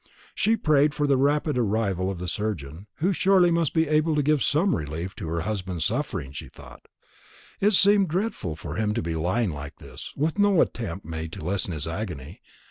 She prayed for the rapid arrival of the surgeon, who must surely be able to give some relief to her husband's sufferings, she thought. It seemed dreadful for him to be lying like this, with no attempt made to lessen his agony.